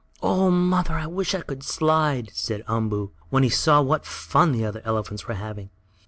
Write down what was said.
"Oh, mother! I wish I could slide!" said Umboo, when he saw what fun the other elephants were having.